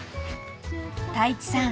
［太一さん